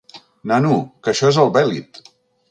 Nano, que això és el bèlit!